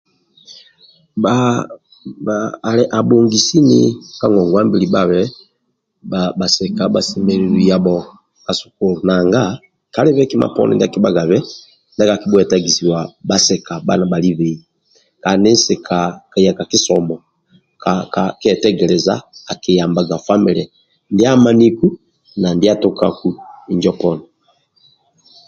Bha bha abhingi sini ka ngongwa mbili bhabe bhasika ndibha semelelu yabho ka sukulu nanga kalibe kima ndia akibhagabe ndia kakibhwetagisibwa bhasika bha nibhalibei kandi nsika kasoma akibhuyamvq famile ndia amaniu na ndia atukaku